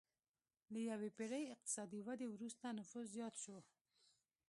له یوې پېړۍ اقتصادي ودې وروسته نفوس زیات شو.